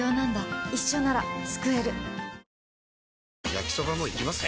焼きソバもいきます？